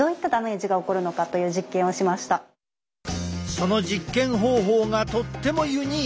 その実験方法がとってもユニーク。